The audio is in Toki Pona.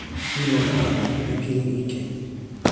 mi lon ona la, mi pilin ike.